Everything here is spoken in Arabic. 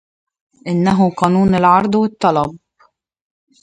انه قانون العرض والطلب.